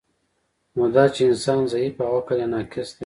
نو دا چی انسان ضعیف او عقل یی ناقص دی